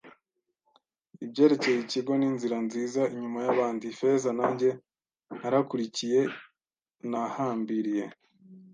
Ibyerekeye ikigo, n'inzira nziza inyuma yabandi, Ifeza nanjye narakurikiye - Nahambiriye